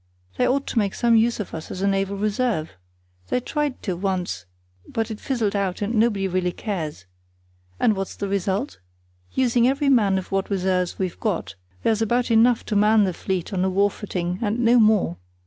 They ought to make some use of us as a naval reserve. They tried to once, but it fizzled out, and nobody really cares. And what's the result? Using every man of what reserves we've got, there's about enough to man the fleet on a war footing, and no more.